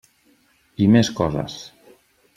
I més coses.